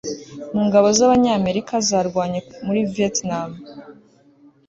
mu ngabo z' abanyamerika zarwanye muri vietnam